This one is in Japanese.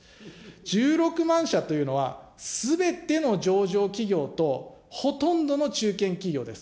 １６万社というのは、すべての上場企業とほとんどの中堅企業です。